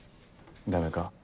ダメか。